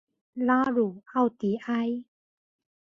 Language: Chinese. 拉鲁奥迪埃。